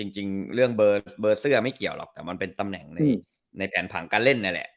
จริงเรื่องเบอร์เสื้อไม่เกี่ยวหรอกแต่มันเป็นตำแหน่งในแผนผังการเล่นนั่นแหละ